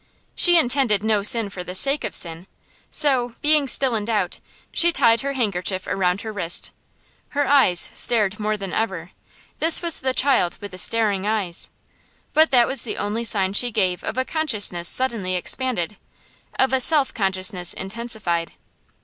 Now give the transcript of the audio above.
She intended no sin for the sake of sin; so, being still in doubt, she tied her handkerchief around her wrist. Her eyes stared more than ever, this was the child with the staring eyes, but that was the only sign she gave of a consciousness suddenly expanded, of a self consciousness intensified.